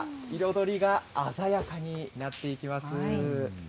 彩りが鮮やかになっていきます。